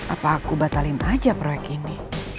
apa aku batalin aja proyek ini